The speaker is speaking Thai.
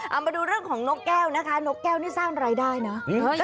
เอามาดูเรื่องของนกแก้วนะคะนกแก้วนี่สร้างรายได้นะ